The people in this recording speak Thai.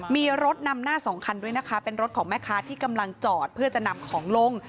มีรถนำหน้าสองคันด้วยนะคะเป็นรถของแม่ค้าที่กำลังจอดเพื่อจะนำของลง